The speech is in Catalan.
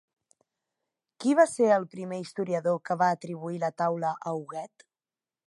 Qui va ser el primer historiador que va atribuir la taula a Huguet?